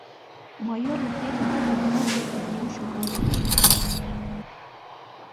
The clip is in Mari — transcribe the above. Майор Укеда окна деке миен шогале.